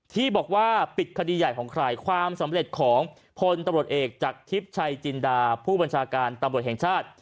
ที่บอกว่าปิดคดีใหญ่ของใครความสำเร็จของพลตำรวจเอกจากทิพย์ชัยจินดาผู้บัญชาการตำรวจแห่งชาติ